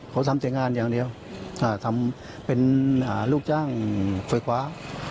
เขาทำแต่งานอย่างเดียวทำเป็นลูกจ้างไฟฟ้า